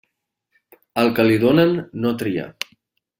Al que li donen, no tria.